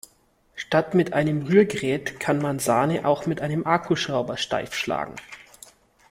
Statt mit einem Rührgerät kann man Sahne auch mit einem Akkuschrauber steif schlagen.